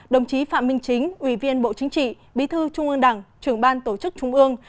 đồng chí phạm minh chính ủy viên bộ chính trị bí thư trung ương đảng trưởng ban tổ chức trung ương